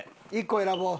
１個選ぼう。